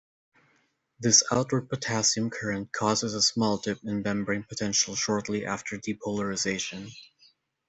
This outward potassium current causes a small dip in membrane potential shortly after depolarization.